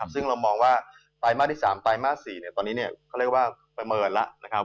ซึ่งเรามองว่าไตรมาสที่๓และไตรมาสที่๔ตอนนี้เขาเรียกว่าไปเมิดแล้ว